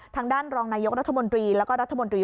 ทางด้านรองนายกรัฐมนตรีแล้วก็รัฐมนตรี